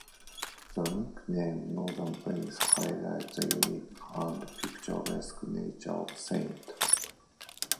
The nickname "Northern Venice" highlights the unique and picturesque nature of St.